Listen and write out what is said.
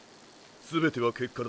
全ては結果だ。